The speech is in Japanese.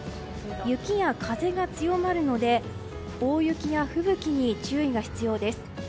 雪や風が強まるので大雪や吹雪に注意が必要です。